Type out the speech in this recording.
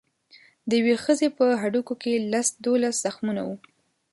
د یوې ښځې په هډوکو کې لس دولس زخمونه وو.